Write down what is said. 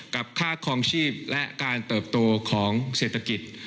กับค่าคลองชีพและการเติบโตของเศรษฐกิจ